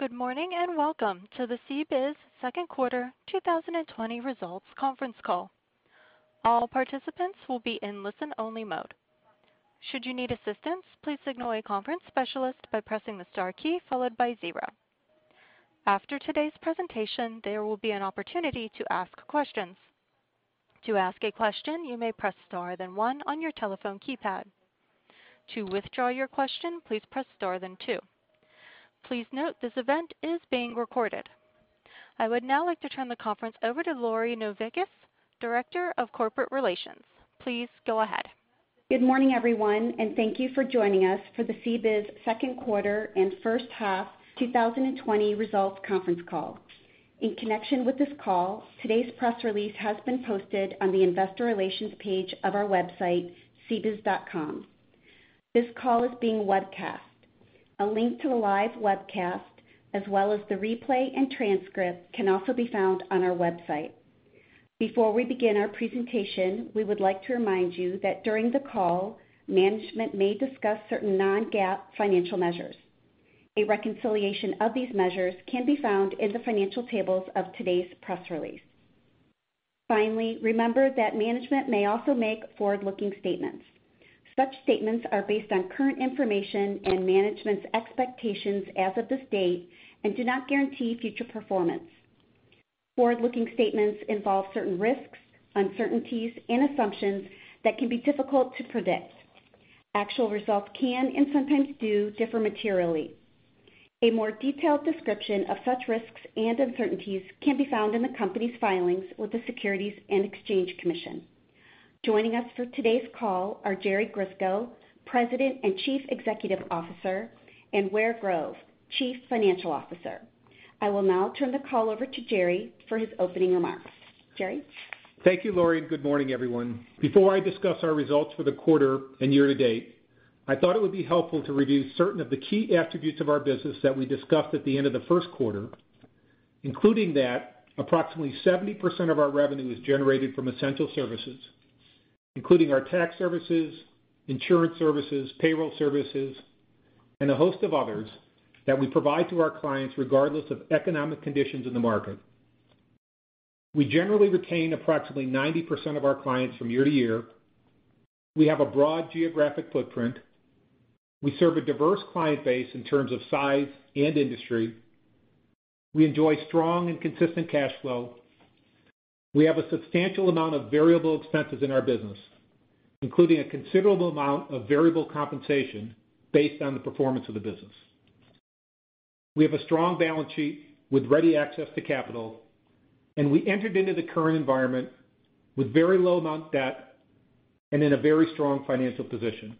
Good morning, and welcome to the CBIZ Second Quarter 2020 Results Conference Call. All participants will be in listen only mode. Should you need assistance, please signal a conference specialist by pressing the star key followed by zero. After today's presentation, there will be an opportunity to ask questions. To ask a question, you may press star, then one on your telephone keypad. To withdraw your question, please press star then two. Please note, this event is being recorded. I would now like to turn the conference over to Lori Novickis, Director of Corporate Relations. Please go ahead. Good morning, everyone. Thank you for joining us for the CBIZ second quarter and first half 2020 results conference call. In connection with this call, today's press release has been posted on the investor relations page of our website, cbiz.com. This call is being webcast. A link to the live webcast, as well as the replay and transcript, can also be found on our website. Before we begin our presentation, we would like to remind you that during the call, management may discuss certain non-GAAP financial measures. A reconciliation of these measures can be found in the financial tables of today's press release. Finally, remember that management may also make forward-looking statements. Such statements are based on current information and management's expectations as of this date and do not guarantee future performance. Forward-looking statements involve certain risks, uncertainties, and assumptions that can be difficult to predict. Actual results can, and sometimes do, differ materially. A more detailed description of such risks and uncertainties can be found in the company's filings with the Securities and Exchange Commission. Joining us for today's call are Jerry Grisko, President and Chief Executive Officer, and Ware Grove, Chief Financial Officer. I will now turn the call over to Jerry for his opening remarks. Jerry? Thank you, Lori, and good morning, everyone. Before I discuss our results for the quarter and year-to-date, I thought it would be helpful to review certain of the key attributes of our business that we discussed at the end of the first quarter, including that approximately 70% of our revenue is generated from essential services, including our tax services, insurance services, payroll services, and a host of others that we provide to our clients regardless of economic conditions in the market. We generally retain approximately 90% of our clients from year-to-year. We have a broad geographic footprint. We serve a diverse client base in terms of size and industry. We enjoy strong and consistent cash flow. We have a substantial amount of variable expenses in our business, including a considerable amount of variable compensation based on the performance of the business. We have a strong balance sheet with ready access to capital, and we entered into the current environment with very low amount debt and in a very strong financial position.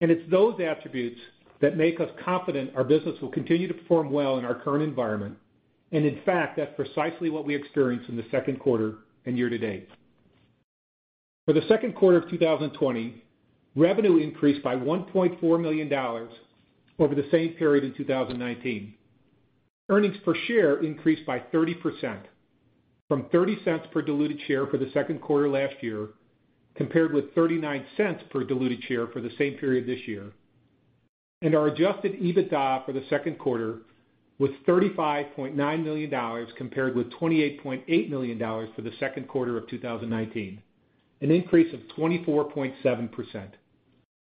It's those attributes that make us confident our business will continue to perform well in our current environment. In fact, that's precisely what we experienced in the second quarter and year-to-date. For the second quarter of 2020, revenue increased by $1.4 million over the same period in 2019. Earnings per share increased by 30%, from $0.30 per diluted share for the second quarter last year, compared with $0.39 per diluted share for the same period this year. Our adjusted EBITDA for the second quarter was $35.9 million, compared with $28.8 million for the second quarter of 2019, an increase of 24.7%.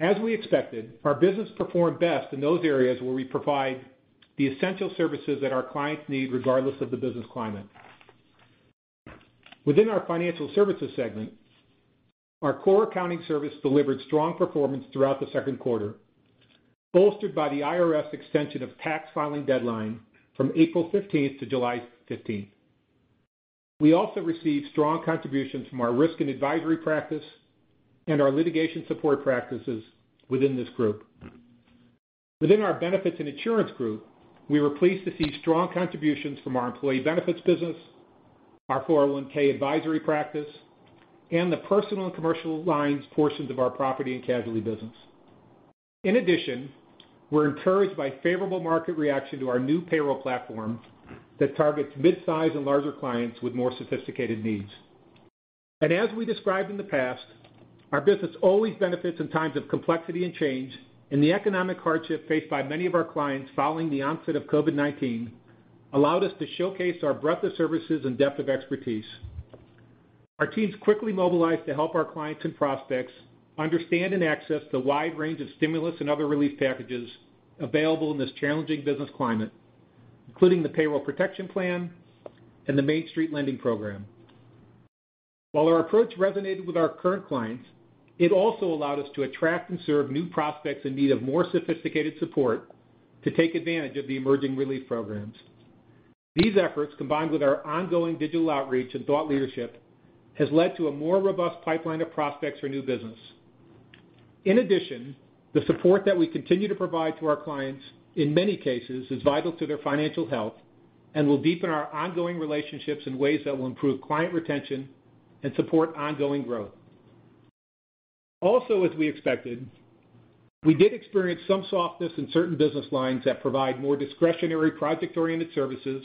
As we expected, our business performed best in those areas where we provide the essential services that our clients need, regardless of the business climate. Within our financial services segment, our core accounting service delivered strong performance throughout the second quarter, bolstered by the IRS extension of tax filing deadline from April 15th to July 15th. We also received strong contributions from our risk and advisory practice and our litigation support practices within this group. Within our benefits and insurance group, we were pleased to see strong contributions from our employee benefits business, our 401(k) advisory practice, and the personal and commercial lines portions of our property and casualty business. We're encouraged by favorable market reaction to our new payroll platform that targets mid-size and larger clients with more sophisticated needs. As we described in the past, our business always benefits in times of complexity and change, and the economic hardship faced by many of our clients following the onset of COVID-19 allowed us to showcase our breadth of services and depth of expertise. Our teams quickly mobilized to help our clients and prospects understand and access the wide range of stimulus and other relief packages available in this challenging business climate, including the Payroll Protection Program and the Main Street Lending Program. While our approach resonated with our current clients, it also allowed us to attract and serve new prospects in need of more sophisticated support to take advantage of the emerging relief programs. These efforts, combined with our ongoing digital outreach and thought leadership, has led to a more robust pipeline of prospects for new business. In addition, the support that we continue to provide to our clients, in many cases, is vital to their financial health and will deepen our ongoing relationships in ways that will improve client retention and support ongoing growth. Also, as we expected, we did experience some softness in certain business lines that provide more discretionary project-oriented services,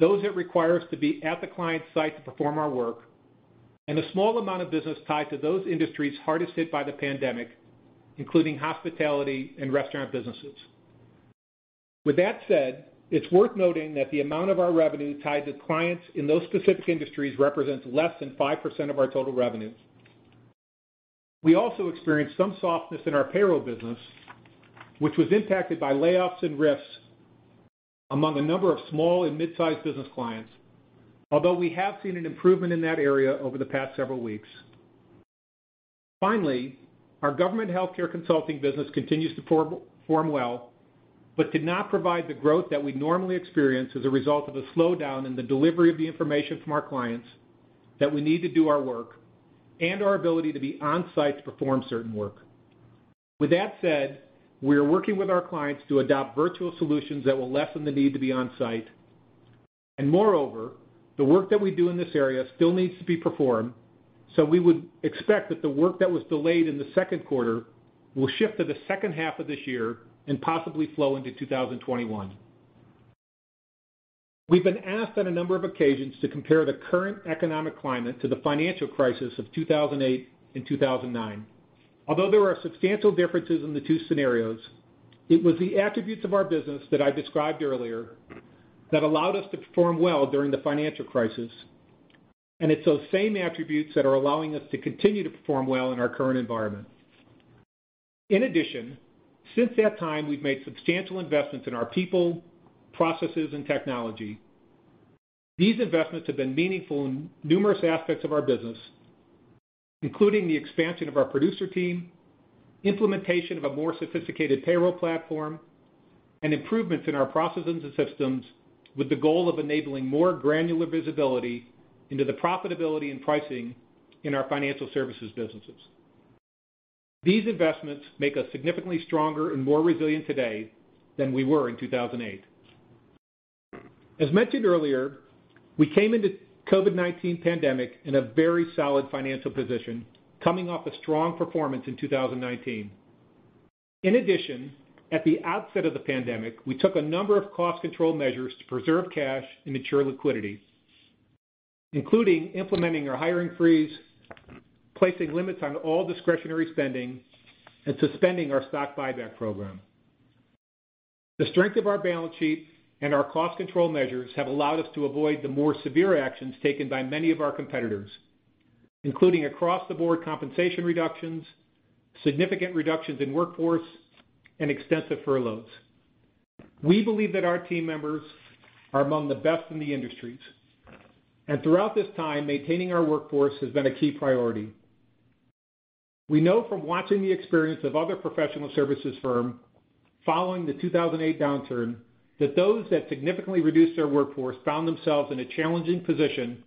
those that require us to be at the client site to perform our work, and a small amount of business tied to those industries hardest hit by the pandemic, including hospitality and restaurant businesses. With that said, it's worth noting that the amount of our revenue tied to clients in those specific industries represents less than 5% of our total revenue. We also experienced some softness in our payroll business, which was impacted by layoffs and RIFs among a number of small and mid-sized business clients, although we have seen an improvement in that area over the past several weeks. Finally, our government healthcare consulting business continues to perform well, but did not provide the growth that we normally experience as a result of a slowdown in the delivery of the information from our clients that we need to do our work, and our ability to be on-site to perform certain work. With that said, we are working with our clients to adopt virtual solutions that will lessen the need to be on-site. Moreover, the work that we do in this area still needs to be performed, so we would expect that the work that was delayed in the second quarter will shift to the second half of this year and possibly flow into 2021. We've been asked on a number of occasions to compare the current economic climate to the financial crisis of 2008 and 2009. Although there are substantial differences in the two scenarios, it was the attributes of our business that I described earlier that allowed us to perform well during the financial crisis. It's those same attributes that are allowing us to continue to perform well in our current environment. In addition, since that time, we've made substantial investments in our people, processes, and technology. These investments have been meaningful in numerous aspects of our business, including the expansion of our producer team, implementation of a more sophisticated payroll platform, and improvements in our processes and systems with the goal of enabling more granular visibility into the profitability and pricing in our financial services businesses. These investments make us significantly stronger and more resilient today than we were in 2008. As mentioned earlier, we came into COVID-19 pandemic in a very solid financial position, coming off a strong performance in 2019. In addition, at the outset of the pandemic, we took a number of cost control measures to preserve cash and ensure liquidity, including implementing a hiring freeze, placing limits on all discretionary spending, and suspending our stock buyback program. The strength of our balance sheet and our cost control measures have allowed us to avoid the more severe actions taken by many of our competitors, including across-the-board compensation reductions, significant reductions in workforce, and extensive furloughs. We believe that our team members are among the best in the industries, and throughout this time, maintaining our workforce has been a key priority. We know from watching the experience of other professional services firm following the 2008 downturn, that those that significantly reduced their workforce found themselves in a challenging position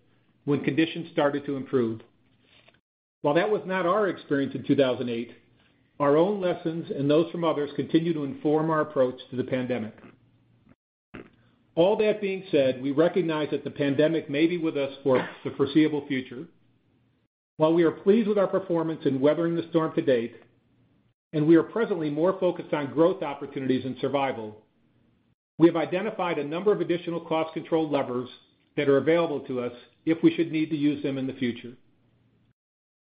when conditions started to improve. While that was not our experience in 2008, our own lessons and those from others continue to inform our approach to the pandemic. All that being said, we recognize that the pandemic may be with us for the foreseeable future. While we are pleased with our performance in weathering the storm to date, and we are presently more focused on growth opportunities and survival, we have identified a number of additional cost control levers that are available to us if we should need to use them in the future.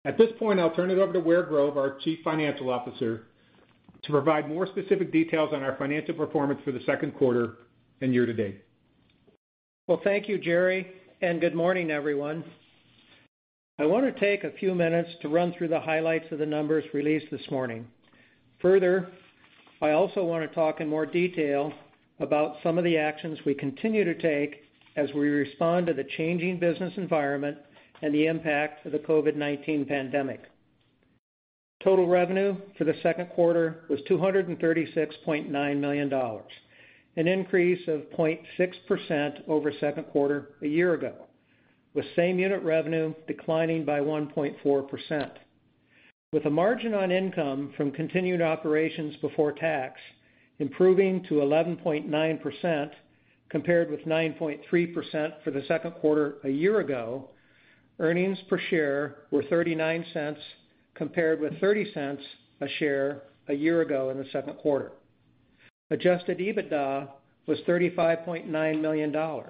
At this point, I'll turn it over to Ware Grove, our Chief Financial Officer, to provide more specific details on our financial performance for the second quarter and year-to-date. Well, thank you, Jerry, and good morning, everyone. I want to take a few minutes to run through the highlights of the numbers released this morning. Further, I also want to talk in more detail about some of the actions we continue to take as we respond to the changing business environment and the impact of the COVID-19 pandemic. Total revenue for the second quarter was $236.9 million, an increase of 0.6% over second quarter a year ago, with same unit revenue declining by 1.4%. With a margin on income from continued operations before tax improving to 11.9%, compared with 9.3% for the second quarter a year ago, earnings per share were $0.39 compared with $0.30 a share a year ago in the second quarter. Adjusted EBITDA was $35.9 million, or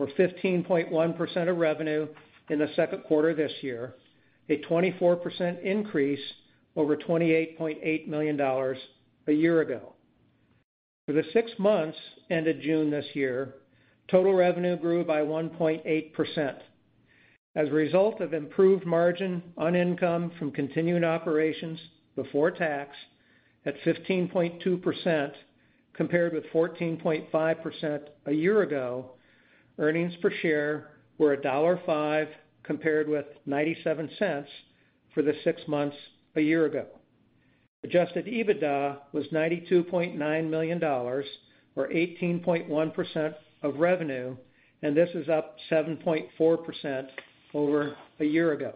15.1% of revenue in the second quarter this year, a 24% increase over $28.8 million a year ago. For the six months ended June this year, total revenue grew by 1.8%. As a result of improved margin on income from continuing operations before tax at 15.2%, compared with 14.5% a year ago, earnings per share were $1.05 compared with $0.97 for the six months a year ago. Adjusted EBITDA was $92.9 million, or 18.1% of revenue, This is up 7.4% over a year ago.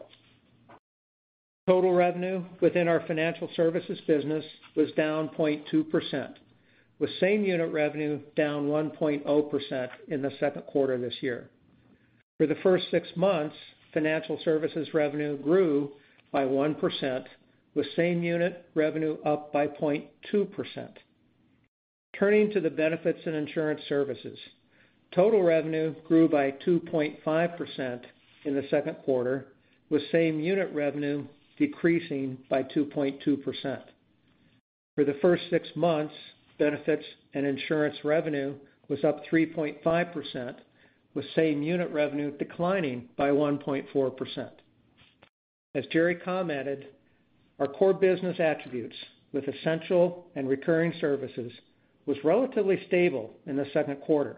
Total revenue within our financial services business was down 0.2%, with same unit revenue down 1.0% in the second quarter this year. For the first six months, financial services revenue grew by 1%, with same unit revenue up by 0.2%. Turning to the benefits and insurance services. Total revenue grew by 2.5% in the second quarter, with same unit revenue decreasing by 2.2%. For the first six months, benefits and insurance revenue was up 3.5%, with same unit revenue declining by 1.4%. As Jerry commented, our core business attributes with essential and recurring services was relatively stable in the second quarter.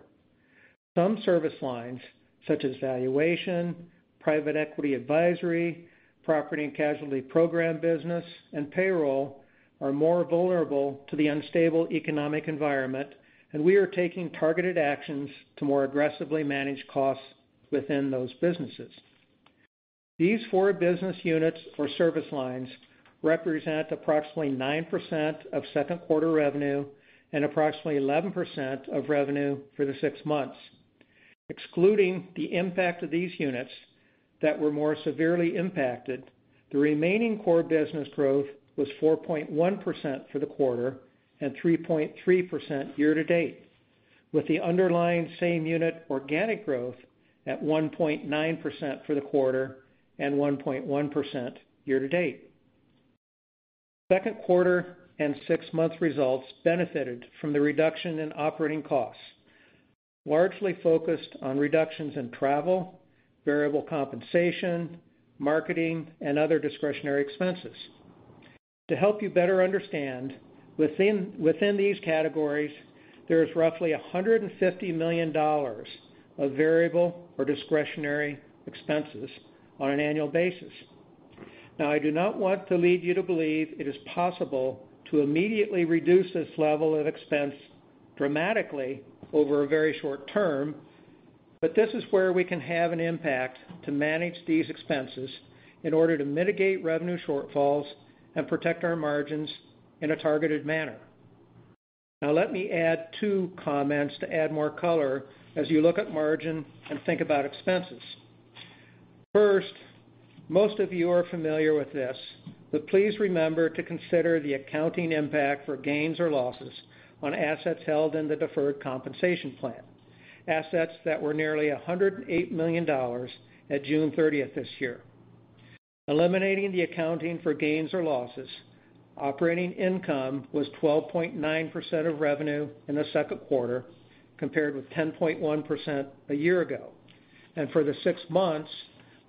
Some service lines, such as valuation, private equity advisory, property and casualty program business, and payroll, are more vulnerable to the unstable economic environment, and we are taking targeted actions to more aggressively manage costs within those businesses. These four business units or service lines represent approximately 9% of second quarter revenue and approximately 11% of revenue for the six months. Excluding the impact of these units that were more severely impacted, the remaining core business growth was 4.1% for the quarter and 3.3% year-to-date, with the underlying same unit organic growth at 1.9% for the quarter and 1.1% year-to-date. Second quarter and six-month results benefited from the reduction in operating costs, largely focused on reductions in travel, variable compensation, marketing, and other discretionary expenses. To help you better understand, within these categories, there is roughly $150 million of variable or discretionary expenses on an annual basis. Now, I do not want to lead you to believe it is possible to immediately reduce this level of expense dramatically over a very short term, but this is where we can have an impact to manage these expenses in order to mitigate revenue shortfalls and protect our margins in a targeted manner. Now, let me add two comments to add more color as you look at margin and think about expenses. First, most of you are familiar with this, but please remember to consider the accounting impact for gains or losses on assets held in the deferred compensation plan, assets that were nearly $108 million at June 30th this year. Eliminating the accounting for gains or losses, operating income was 12.9% of revenue in the second quarter, compared with 10.1% a year ago. For the six months,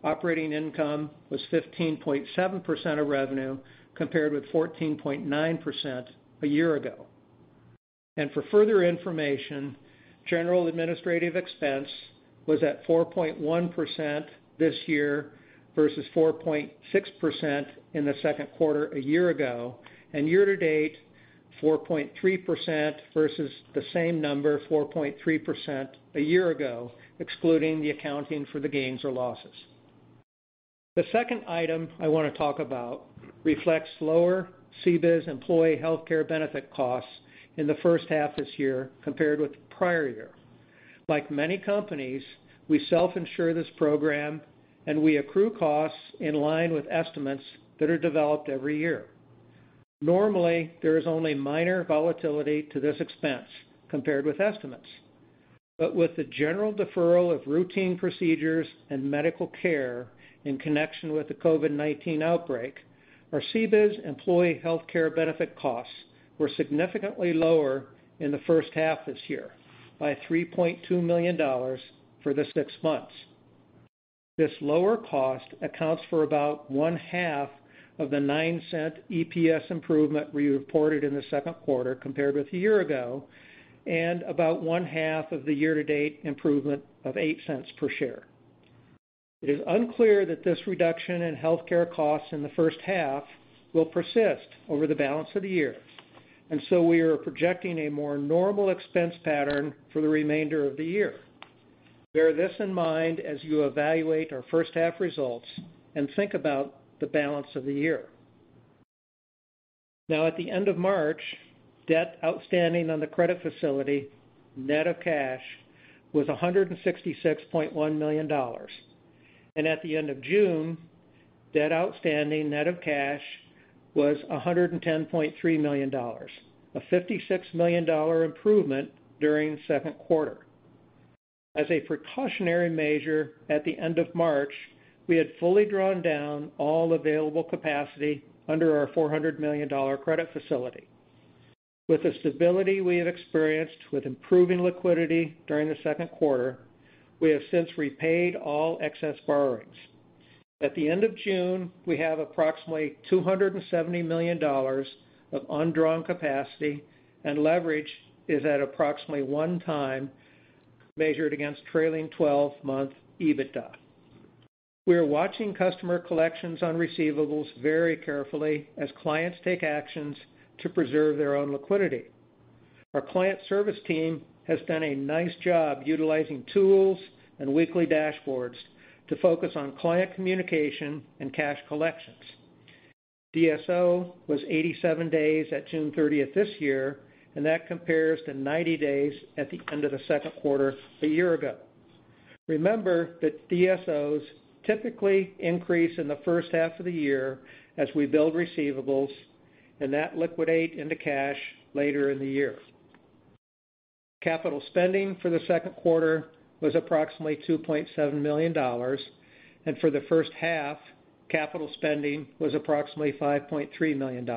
operating income was 15.7% of revenue, compared with 14.9% a year ago. For further information, general administrative expense was at 4.1% this year versus 4.6% in the second quarter a year ago, and year-to-date, 4.3% versus the same number, 4.3%, a year ago, excluding the accounting for the gains or losses. The second item I want to talk about reflects lower CBIZ employee healthcare benefit costs in the first half of this year compared with the prior year. Like many companies, we self-insure this program, and we accrue costs in line with estimates that are developed every year. Normally, there is only minor volatility to this expense compared with estimates. But with the general deferral of routine procedures and medical care in connection with the COVID-19 outbreak, our CBIZ employee healthcare benefit costs were significantly lower in the first half of this year by $3.2 million for the six months. This lower cost accounts for about one-half of the $0.09 EPS improvement we reported in the second quarter compared with a year ago, and about one-half of the year-to-date improvement of $0.08 per share. It is unclear that this reduction in healthcare costs in the first half will persist over the balance of the year. We are projecting a more normal expense pattern for the remainder of the year. Bear this in mind as you evaluate our first half results and think about the balance of the year. Now, at the end of March, debt outstanding on the credit facility, net of cash, was $166.1 million. At the end of June, debt outstanding net of cash was $110.3 million, a $56 million improvement during the second quarter. As a precautionary measure, at the end of March, we had fully drawn down all available capacity under our $400 million credit facility. With the stability we have experienced with improving liquidity during the second quarter, we have since repaid all excess borrowings. At the end of June, we have approximately $270 million of undrawn capacity and leverage is at approximately one time measured against trailing 12-month EBITDA. We are watching customer collections on receivables very carefully as clients take actions to preserve their own liquidity. Our client service team has done a nice job utilizing tools and weekly dashboards to focus on client communication and cash collections. DSO was 87 days at June 30th this year, and that compares to 90 days at the end of the second quarter a year ago. Remember that DSOs typically increase in the first half of the year as we build receivables, and that liquidate into cash later in the year. Capital spending for the second quarter was approximately $2.7 million, and for the first half, capital spending was approximately $5.3 million.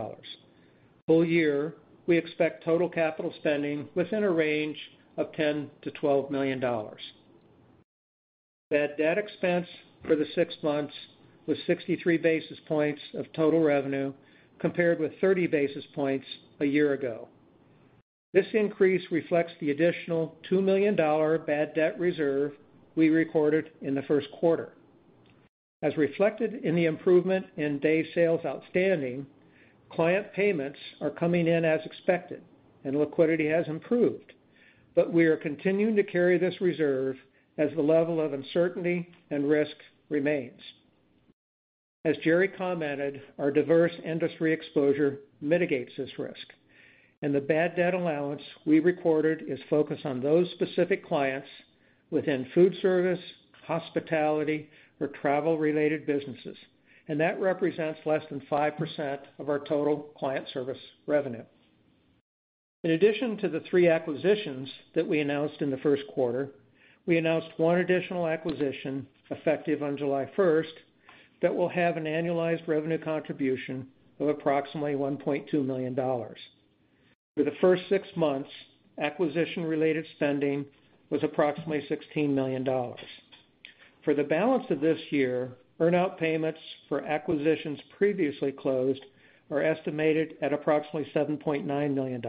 Full year, we expect total capital spending within a range of $10 million-$12 million. Bad debt expense for the six months was 63 basis points of total revenue, compared with 30 basis points a year ago. This increase reflects the additional $2 million bad debt reserve we recorded in the first quarter. As reflected in the improvement in days sales outstanding, client payments are coming in as expected, and liquidity has improved. We are continuing to carry this reserve as the level of uncertainty and risk remains. As Jerry commented, our diverse industry exposure mitigates this risk, and the bad debt allowance we recorded is focused on those specific clients within food service, hospitality, or travel-related businesses. That represents less than 5% of our total client service revenue. In addition to the three acquisitions that we announced in the first quarter, we announced one additional acquisition effective on July 1st, that will have an annualized revenue contribution of approximately $1.2 million. For the first six months, acquisition-related spending was approximately $16 million. For the balance of this year, earn-out payments for acquisitions previously closed are estimated at approximately $7.9 million.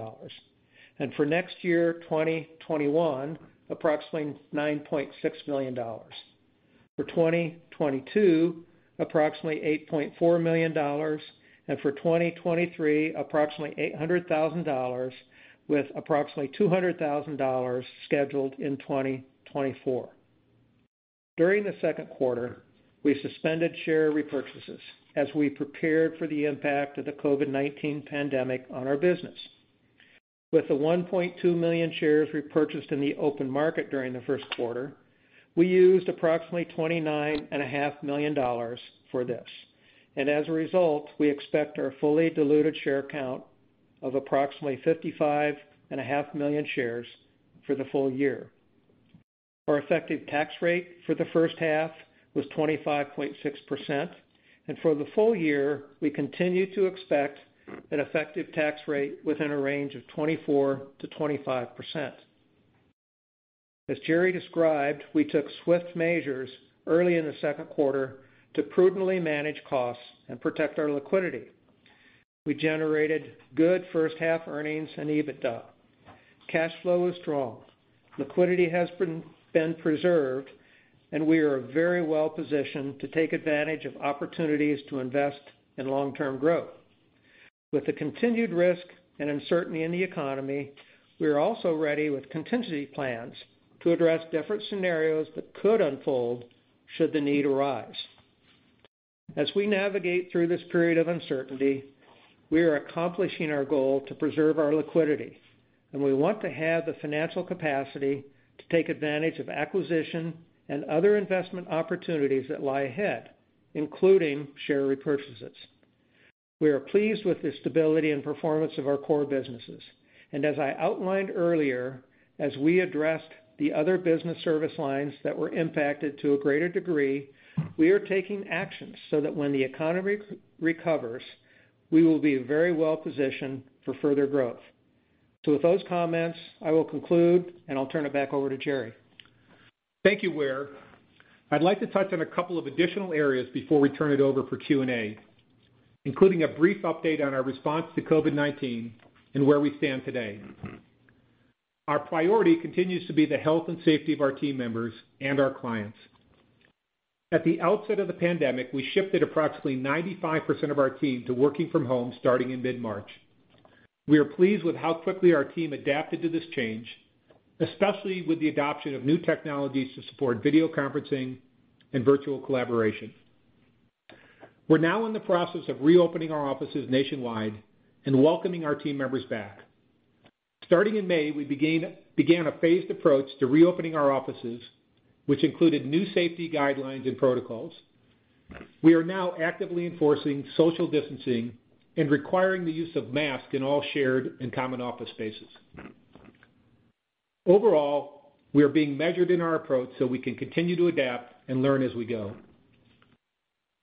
For next year, 2021, approximately $9.6 million. For 2022, approximately $8.4 million, and for 2023, approximately $800,000, with approximately $200,000 scheduled in 2024. During the second quarter, we suspended share repurchases as we prepared for the impact of the COVID-19 pandemic on our business. With the 1.2 million shares repurchased in the open market during the first quarter, we used approximately $29.5 million for this, and as a result, we expect our fully diluted share count of approximately 55.5 million shares for the full year. Our effective tax rate for the first half was 25.6%, and for the full year, we continue to expect an effective tax rate within a range of 24%-25%. As Jerry described, we took swift measures early in the second quarter to prudently manage costs and protect our liquidity. We generated good first half earnings and EBITDA. Cash flow is strong. Liquidity has been preserved, and we are very well-positioned to take advantage of opportunities to invest in long-term growth. With the continued risk and uncertainty in the economy, we are also ready with contingency plans to address different scenarios that could unfold should the need arise. As we navigate through this period of uncertainty, we are accomplishing our goal to preserve our liquidity, and we want to have the financial capacity to take advantage of acquisition and other investment opportunities that lie ahead, including share repurchases. We are pleased with the stability and performance of our core businesses, and as I outlined earlier, as we address the other business service lines that were impacted to a greater degree, we are taking actions so that when the economy recovers, we will be very well-positioned for further growth. With those comments, I will conclude, and I'll turn it back over to Jerry. Thank you, Ware. I'd like to touch on a couple of additional areas before we turn it over for Q&A, including a brief update on our response to COVID-19 and where we stand today. Our priority continues to be the health and safety of our team members and our clients. At the outset of the pandemic, we shifted approximately 95% of our team to working from home starting in mid-March. We are pleased with how quickly our team adapted to this change, especially with the adoption of new technologies to support video conferencing and virtual collaboration. We're now in the process of reopening our offices nationwide and welcoming our team members back. Starting in May, we began a phased approach to reopening our offices, which included new safety guidelines and protocols. We are now actively enforcing social distancing and requiring the use of masks in all shared and common office spaces. Overall, we are being measured in our approach so we can continue to adapt and learn as we go.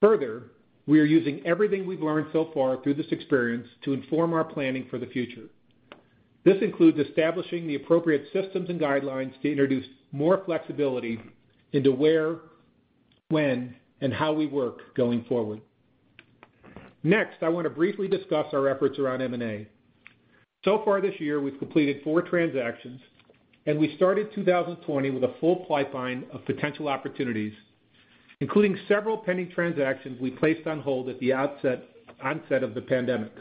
Further, we are using everything we've learned so far through this experience to inform our planning for the future. This includes establishing the appropriate systems and guidelines to introduce more flexibility into where, when, and how we work going forward. Next, I want to briefly discuss our efforts around M&A. Far this year, we've completed four transactions, and we started 2020 with a full pipeline of potential opportunities, including several pending transactions we placed on hold at the onset of the pandemic.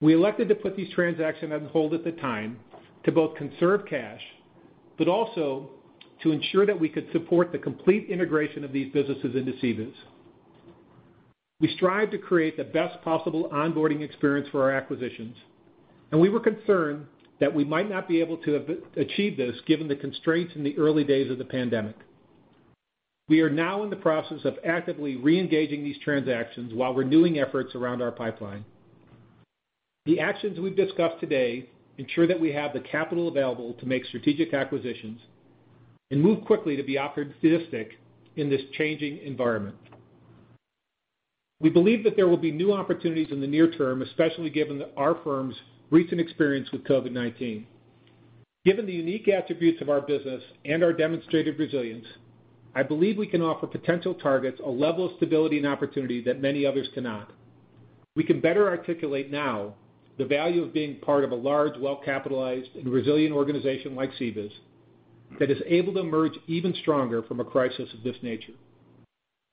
We elected to put these transactions on hold at the time to both conserve cash, but also to ensure that we could support the complete integration of these businesses into CBIZ. We strive to create the best possible onboarding experience for our acquisitions, and we were concerned that we might not be able to achieve this given the constraints in the early days of the pandemic. We are now in the process of actively reengaging these transactions while renewing efforts around our pipeline. The actions we've discussed today ensure that we have the capital available to make strategic acquisitions and move quickly to be opportunistic in this changing environment. We believe that there will be new opportunities in the near term, especially given our firm's recent experience with COVID-19. Given the unique attributes of our business and our demonstrated resilience, I believe we can offer potential targets a level of stability and opportunity that many others cannot. We can better articulate now the value of being part of a large, well-capitalized, and resilient organization like CBIZ that is able to emerge even stronger from a crisis of this nature.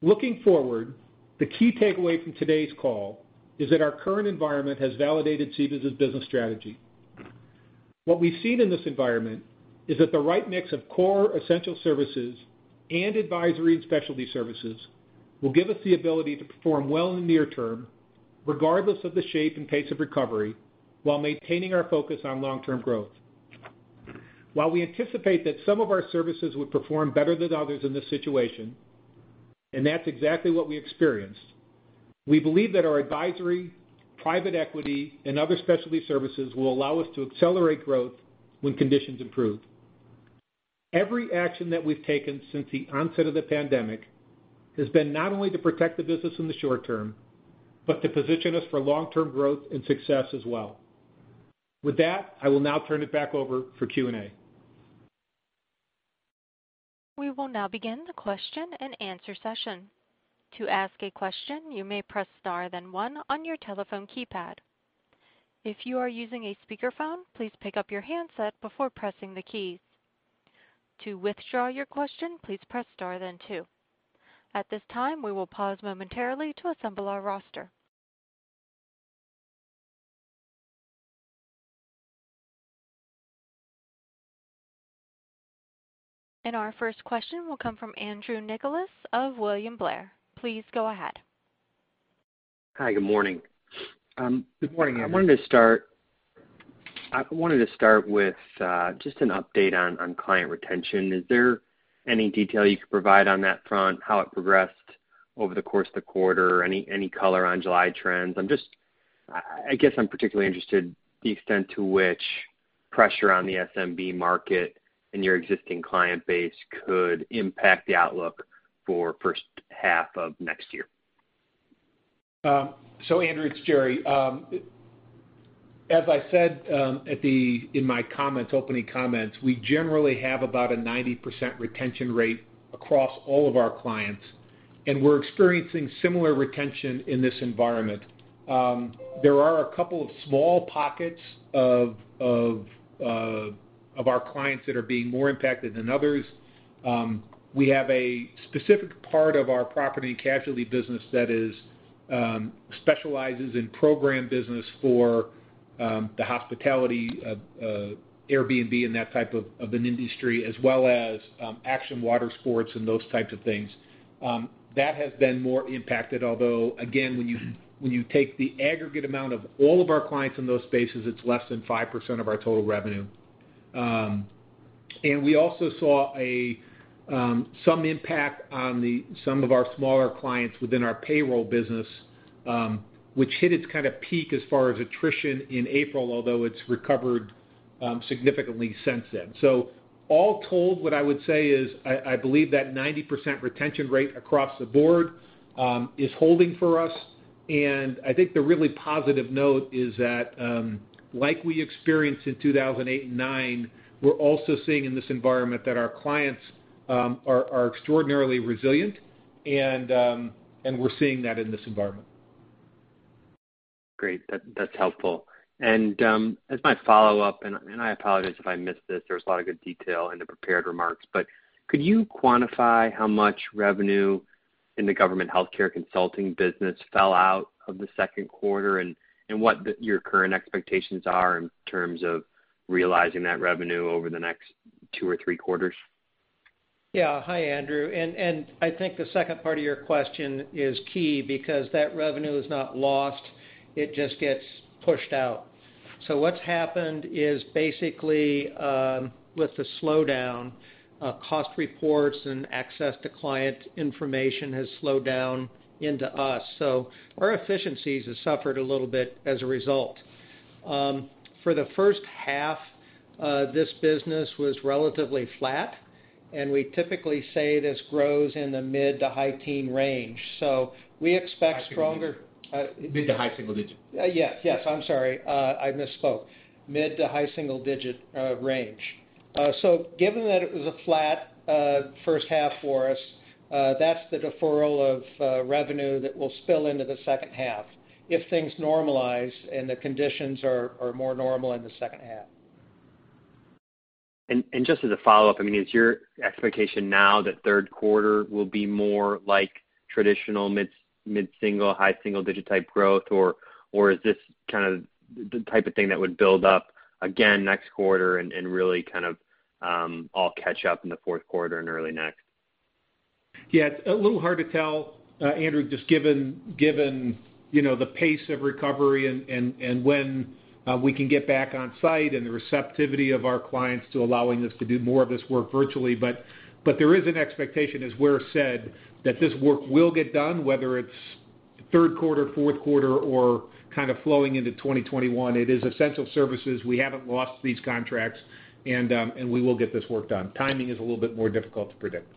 Looking forward, the key takeaway from today's call is that our current environment has validated CBIZ's business strategy. What we've seen in this environment is that the right mix of core essential services and advisory and specialty services will give us the ability to perform well in the near term, regardless of the shape and pace of recovery, while maintaining our focus on long-term growth. While we anticipate that some of our services would perform better than others in this situation, and that's exactly what we experienced, we believe that our advisory, private equity, and other specialty services will allow us to accelerate growth when conditions improve. Every action that we've taken since the onset of the pandemic has been not only to protect the business in the short term, but to position us for long-term growth and success as well. With that, I will now turn it back over for Q&A. We will now begin the question and answer session. To ask a question, you may press star then one on your telephone keypad. If you are using a speakerphone, please pick up your handset before pressing the keys. To withdraw your question, please press star then two. At this time, we will pause momentarily to assemble our roster. Our first question will come from Andrew Nicholas of William Blair. Please go ahead. Hi. Good morning. Good morning, Andrew. I wanted to start with just an update on client retention. Is there any detail you could provide on that front, how it progressed over the course of the quarter? Any color on July trends? I guess I'm particularly interested the extent to which pressure on the SMB market and your existing client base could impact the outlook for first half of next year. Andrew, it's Jerry. As I said in my opening comments, we generally have about a 90% retention rate across all of our clients, and we're experiencing similar retention in this environment. There are a couple of small pockets of our clients that are being more impacted than others. We have a specific part of our property and casualty business that specializes in program business for the hospitality, Airbnb, and that type of an industry, as well as action water sports and those types of things. That has been more impacted. Although, again, when you take the aggregate amount of all of our clients in those spaces, it's less than 5% of our total revenue. We also saw some impact on some of our smaller clients within our payroll business, which hit its kind of peak as far as attrition in April, although it's recovered significantly since then. All told, what I would say is, I believe that 90% retention rate across the board is holding for us. I think the really positive note is that, like we experienced in 2008 and 2009, we're also seeing in this environment that our clients are extraordinarily resilient, and we're seeing that in this environment. Great. That's helpful. As my follow-up, and I apologize if I missed this, there was a lot of good detail in the prepared remarks. Could you quantify how much revenue in the government healthcare consulting business fell out of the second quarter, and what your current expectations are in terms of realizing that revenue over the next two or three quarters? Hi, Andrew. I think the second part of your question is key because that revenue is not lost. It just gets pushed out. What's happened is basically, with the slowdown, cost reports and access to client information has slowed down into us. Our efficiencies have suffered a little bit as a result. For the first half, this business was relatively flat, and we typically say this grows in the mid to high teen range. We expect stronger- Mid to high single digit. Yes, I'm sorry. I misspoke. Mid to high single digit range. Given that it was a flat first half for us, that's the deferral of revenue that will spill into the second half if things normalize and the conditions are more normal in the second half. Just as a follow-up, is your expectation now that third quarter will be more like traditional mid-single, high-single-digit type growth? Or is this the type of thing that would build up again next quarter and really all catch up in the fourth quarter and early next? Yeah. It's a little hard to tell, Andrew, just given the pace of recovery and when we can get back on site, and the receptivity of our clients to allowing us to do more of this work virtually. There is an expectation, as Ware said, that this work will get done, whether it's third quarter, fourth quarter, or kind of flowing into 2021. It is essential services. We haven't lost these contracts, and we will get this work done. Timing is a little bit more difficult to predict.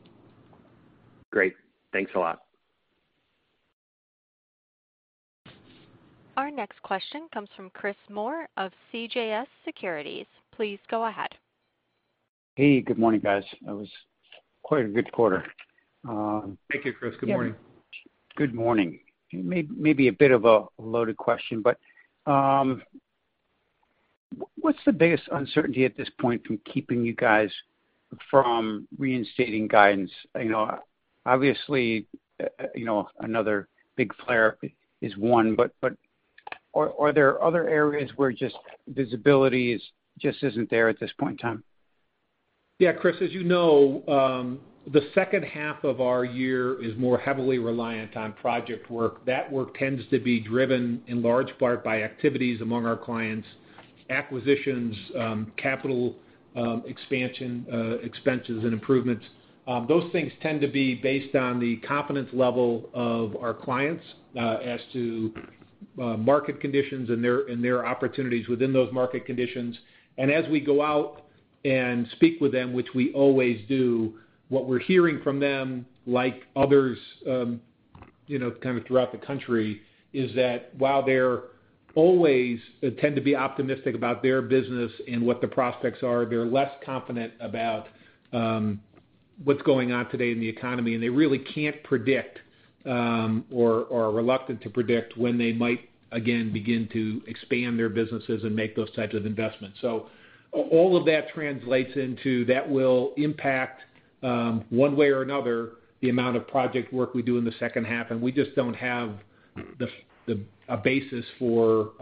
Great. Thanks a lot. Our next question comes from Chris Moore of CJS Securities. Please go ahead. Hey, good morning, guys. That was quite a good quarter. Thank you, Chris. Good morning. Yeah. Good morning. Maybe a bit of a loaded question, but what's the biggest uncertainty at this point from keeping you guys from reinstating guidance? Obviously, another big flare is one, are there other areas where just visibility just isn't there at this point in time? Yeah, Chris. As you know, the second half of our year is more heavily reliant on project work. That work tends to be driven in large part by activities among our clients, acquisitions, capital expansion, expenses, and improvements. Those things tend to be based on the confidence level of our clients as to market conditions and their opportunities within those market conditions. As we go out and speak with them, which we always do, what we're hearing from them, like others kind of throughout the country, is that while they always tend to be optimistic about their business and what the prospects are, they're less confident about what's going on today in the economy. They really can't predict, or are reluctant to predict, when they might again begin to expand their businesses and make those types of investments. All of that translates into that will impact, one way or another, the amount of project work we do in the second half, and we just don't have a basis for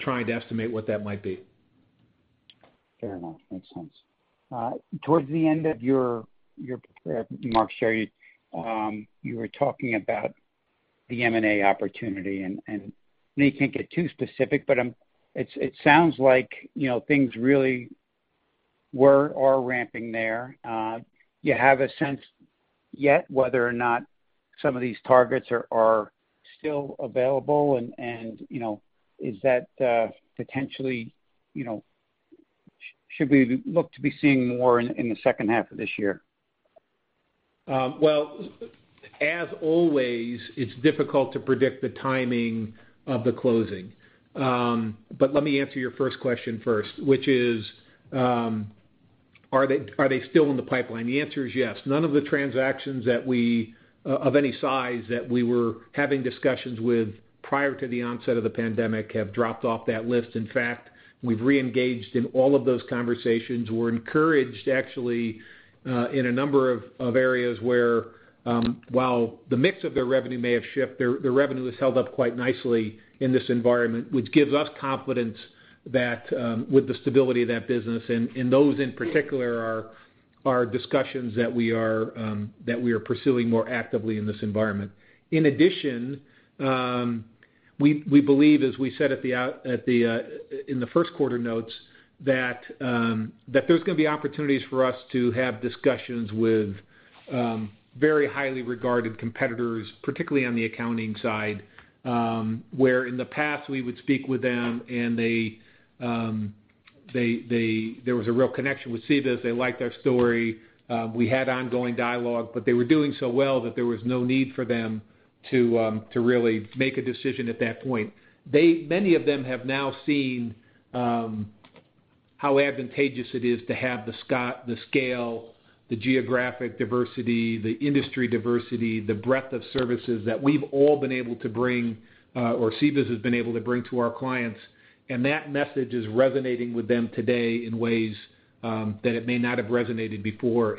trying to estimate what that might be. Fair enough. Makes sense. Towards the end of your remarks share, you were talking about the M&A opportunity, and I know you can't get too specific, but it sounds like things really were or are ramping there. Do you have a sense yet whether or not some of these targets are still available, and should we look to be seeing more in the second half of this year? Well, as always, it's difficult to predict the timing of the closing. Let me answer your first question first, which is, are they still in the pipeline? The answer is yes. None of the transactions of any size that we were having discussions with prior to the onset of the pandemic have dropped off that list. In fact, we've re-engaged in all of those conversations. We're encouraged, actually, in a number of areas where, while the mix of their revenue may have shifted, their revenue has held up quite nicely in this environment, which gives us confidence with the stability of that business. Those in particular are discussions that we are pursuing more actively in this environment. We believe, as we said in the first quarter notes, that there's going to be opportunities for us to have discussions with very highly regarded competitors, particularly on the accounting side, where in the past we would speak with them and there was a real connection with CBIZ. They liked our story. We had ongoing dialogue. They were doing so well that there was no need for them to really make a decision at that point. Many of them have now seen how advantageous it is to have the scale, the geographic diversity, the industry diversity, the breadth of services that we've all been able to bring, or CBIZ has been able to bring to our clients. That message is resonating with them today in ways that it may not have resonated before.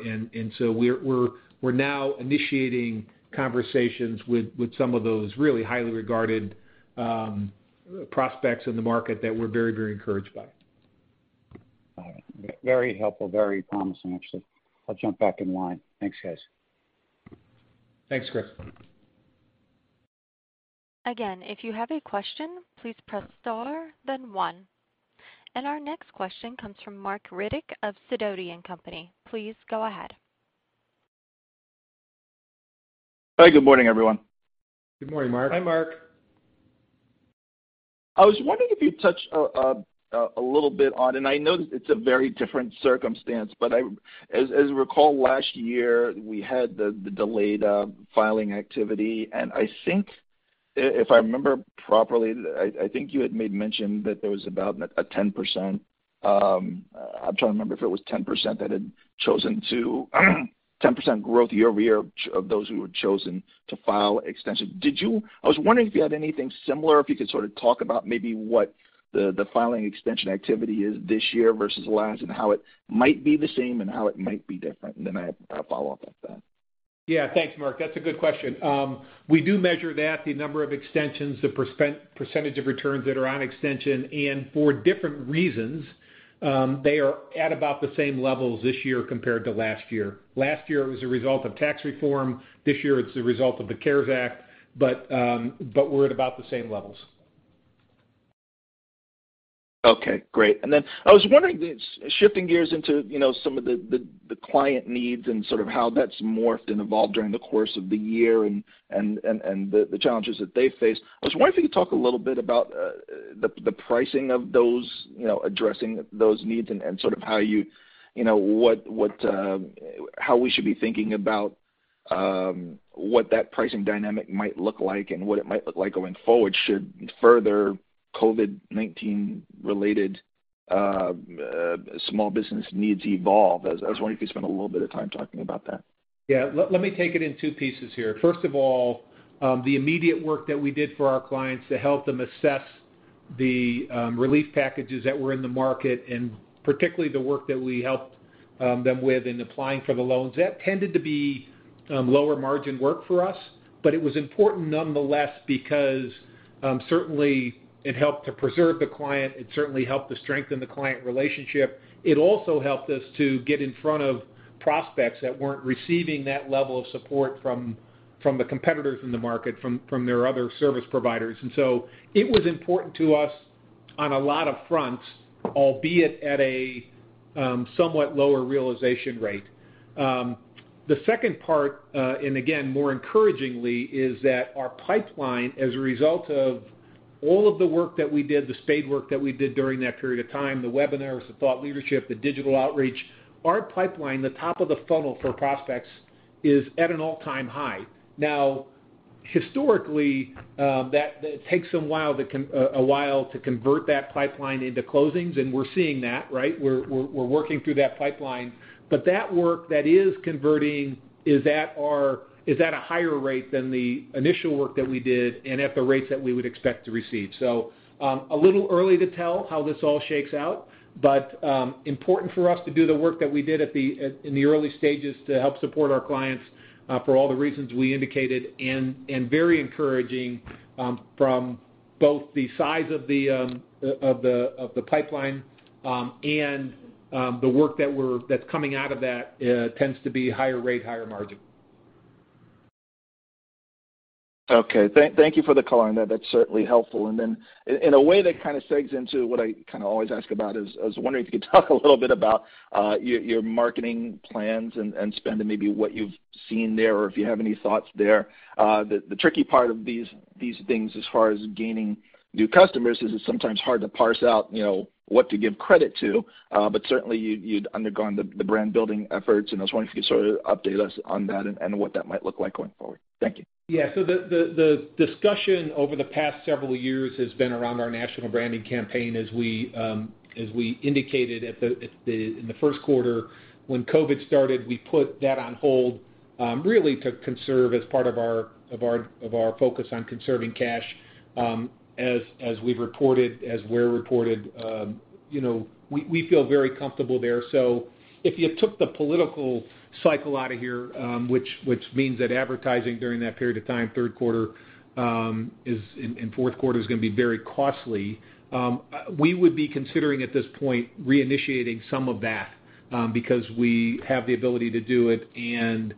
We're now initiating conversations with some of those really highly regarded prospects in the market that we're very encouraged by. All right. Very helpful. Very promising, actually. I'll jump back in line. Thanks, guys. Thanks, Chris. Again, if you have a question, please press star then one. Our next question comes from Marc Riddick of Sidoti & Company. Please go ahead. Hi. Good morning, everyone. Good morning, Marc. Hi, Marc. I was wondering if you'd touch a little bit on, and I know that it's a very different circumstance, but as you recall, last year, we had the delayed filing activity, and I think if I remember properly, I think you had made mention that there was about a 10%. I'm trying to remember if it was 10% that had chosen to-- 10% growth year-over-year of those who had chosen to file extension. I was wondering if you had anything similar, if you could sort of talk about maybe what the filing extension activity is this year versus last, and how it might be the same and how it might be different. Then I have a follow-up after that. Yeah, thanks, Marc. That's a good question. We do measure that, the number of extensions, the percentage of returns that are on extension, and for different reasons, they are at about the same levels this year compared to last year. Last year, it was a result of tax reform. This year, it's the result of the CARES Act. But we're at about the same levels. Okay, great. I was wondering, shifting gears into some of the client needs and sort of how that's morphed and evolved during the course of the year and the challenges that they face. I was wondering if you could talk a little bit about the pricing of those, addressing those needs and how we should be thinking about what that pricing dynamic might look like and what it might look like going forward should further COVID-19 related small business needs evolve. I was wondering if you could spend a little bit of time talking about that. Yeah. Let me take it in two pieces here. First of all, the immediate work that we did for our clients to help them assess the relief packages that were in the market, and particularly the work that we helped them with in applying for the loans, that tended to be lower margin work for us, but it was important nonetheless because certainly it helped to preserve the client. It certainly helped to strengthen the client relationship. It also helped us to get in front of prospects that weren't receiving that level of support from the competitors in the market, from their other service providers. It was important to us on a lot of fronts, albeit at a somewhat lower realization rate. The second part, again, more encouragingly, is that our pipeline, as a result of all of the work that we did, the spade work that we did during that period of time, the webinars, the thought leadership, the digital outreach, our pipeline, the top of the funnel for prospects is at an all-time high. Now, historically, that takes a while to convert that pipeline into closings, and we're seeing that, right? We're working through that pipeline, but that work that is converting is at a higher rate than the initial work that we did and at the rates that we would expect to receive. A little early to tell how this all shakes out, but important for us to do the work that we did in the early stages to help support our clients for all the reasons we indicated, and very encouraging from both the size of the pipeline and the work that's coming out of that tends to be higher rate, higher margin. Okay. Thank you for the color on that. That's certainly helpful. In a way that kind of segues into what I kind of always ask about is I was wondering if you could talk a little bit about your marketing plans and spend and maybe what you've seen there or if you have any thoughts there. The tricky part of these things as far as gaining new customers is it's sometimes hard to parse out what to give credit to. Certainly you'd undergone the brand-building efforts, and I was wondering if you could sort of update us on that and what that might look like going forward. Thank you. Yeah. The discussion over the past several years has been around our national branding campaign. As we indicated in the first quarter when COVID started, we put that on hold really to conserve as part of our focus on conserving cash. As we've reported, as Ware reported, we feel very comfortable there. If you took the political cycle out of here, which means that advertising during that period of time, third quarter and fourth quarter, is going to be very costly. We would be considering at this point reinitiating some of that because we have the ability to do it, and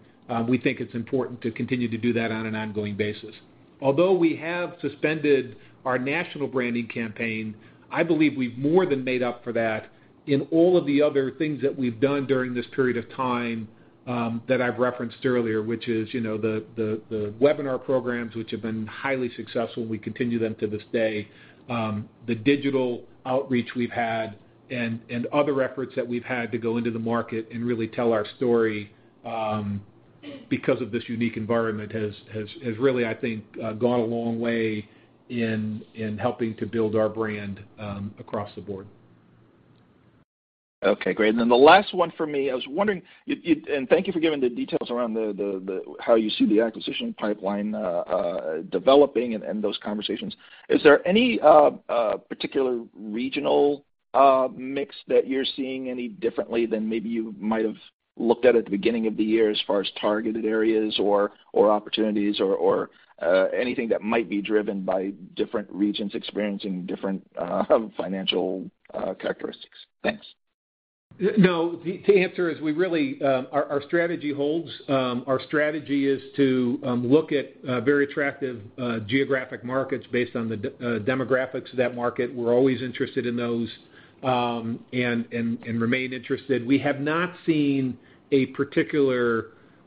we think it's important to continue to do that on an ongoing basis. Although we have suspended our national branding campaign, I believe we've more than made up for that in all of the other things that we've done during this period of time that I've referenced earlier, which is the webinar programs, which have been highly successful, and we continue them to this day. The digital outreach we've had and other efforts that we've had to go into the market and really tell our story because of this unique environment has really, I think, gone a long way in helping to build our brand across the board. Okay, great. Then the last one for me. Thank you for giving the details around how you see the acquisition pipeline developing and those conversations. Is there any particular regional mix that you're seeing any differently than maybe you might have looked at the beginning of the year as far as targeted areas or opportunities or anything that might be driven by different regions experiencing different financial characteristics? Thanks. No. The answer is our strategy holds. Our strategy is to look at very attractive geographic markets based on the demographics of that market. We're always interested in those and remain interested.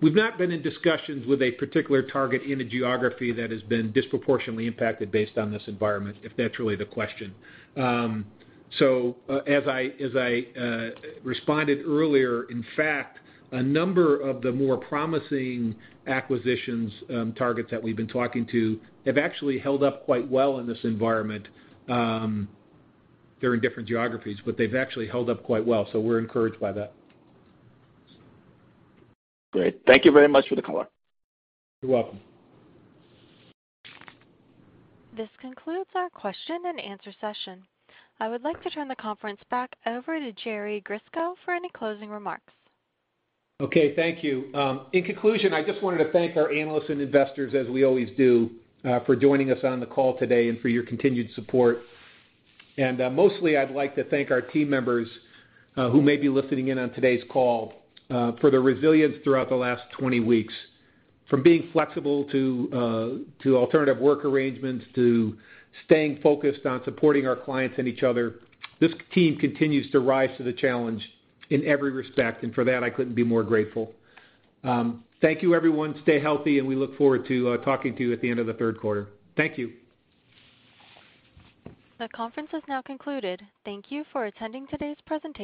We've not been in discussions with a particular target in a geography that has been disproportionately impacted based on this environment, if that's really the question. As I responded earlier, in fact, a number of the more promising acquisitions targets that we've been talking to have actually held up quite well in this environment. They're in different geographies, but they've actually held up quite well. We're encouraged by that. Great. Thank you very much for the color. You're welcome. This concludes our question and answer session. I would like to turn the conference back over to Jerry Grisko for any closing remarks. Okay, thank you. In conclusion, I just wanted to thank our analysts and investors, as we always do, for joining us on the call today and for your continued support. Mostly, I'd like to thank our team members who may be listening in on today's call for their resilience throughout the last 20 weeks. From being flexible to alternative work arrangements to staying focused on supporting our clients and each other, this team continues to rise to the challenge in every respect, and for that, I couldn't be more grateful. Thank you, everyone. Stay healthy, and we look forward to talking to you at the end of the third quarter. Thank you. The conference is now concluded. Thank you for attending today's presentation.